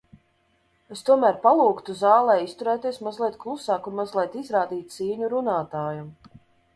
Es tomēr palūgtu zālē izturēties mazliet klusāk un mazliet izrādīt cieņu runātājam.